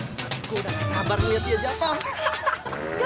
gue udah gak sabar liat dia jatuh